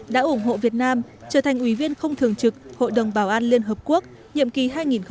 đã ủng hộ việt nam trở thành ủy viên không thường trực hội đồng bảo an liên hợp quốc nhiệm kỳ hai nghìn hai mươi hai nghìn hai mươi một